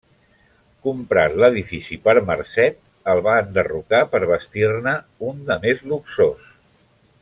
Comprat l'edifici per Marcet, el va enderrocar per bastir-ne un de més luxós.